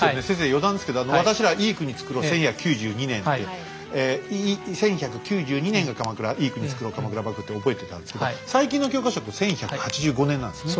余談ですけど私らは「いい国つくろう１１９２年」って１１９２年が鎌倉「いい国つくろう鎌倉幕府」って覚えてたんですけど最近の教科書って１１８５年なんですよね。